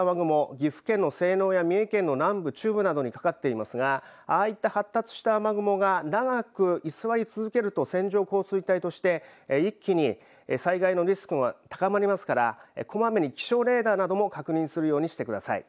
岐阜県の西濃や三重県の南部、中部などにかかっていますがああいった発達した雨雲が長く居座り続けると線状降水帯、そして一気に災害のリスクが高まりますからこまめに気象レーダーも確認するようにしてください。